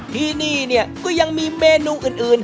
ที่นี่เนี่ยก็ยังมีเมนูอื่น